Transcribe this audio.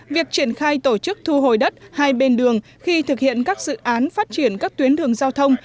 việc triển khai tổ chức thu hồi đất hai bên đường khi thực hiện các dự án phát triển các tuyến đường giao thông